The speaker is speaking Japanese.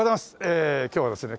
え今日はですね